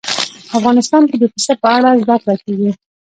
افغانستان کې د پسه په اړه زده کړه کېږي.